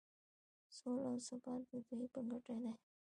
سوله او ثبات د دوی په ګټه دی.